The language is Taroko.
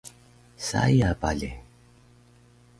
Saya bale